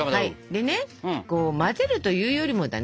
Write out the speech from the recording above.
でねこう混ぜるというよりもだね。